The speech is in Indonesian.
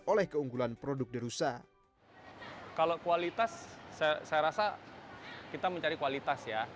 oleh keunggulan produk derusa kalau kualitas saya rasa kita mencari kualitas ya tapi kebanyakan di